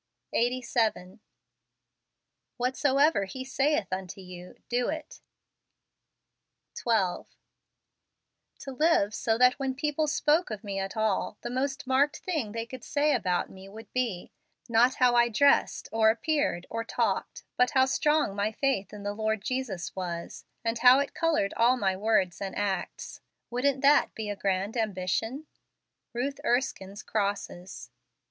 Eighty Seven. " Whatsoever He saith unto you, do it" 20 FEBRUARY. 12. To live so that when people spoke of me at all, the most marked thing they could say about me would be, not how I dressed, or appeared, or talked, but how strong my faith in the Lord Jesus was, and how it colored all my words and acts. Wouldn't that be a grand ambition ? Ruth Erskinc's Crosses.